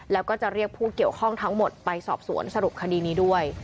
แล้วก็จะเรียกผู้เกี่ยวข้องทั้งหมดไปสอบสวนสรุปคดีนี้ด้วย